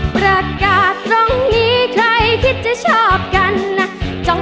ประกาศตรงนี้ใครคิดจะชอบกันจองจะจีบวันนั้นแต่ยังไม่มีช่อง